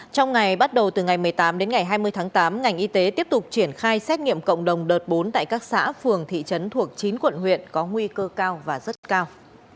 trong ngày bắt đầu từ ngày một mươi tám đến ngày hai mươi tháng tám ngành y tế tiếp tục triển khai xét nghiệm cộng đồng đợt bốn tại các xã phường thị trấn thuộc chín quận huyện có nguy cơ cao và rất cao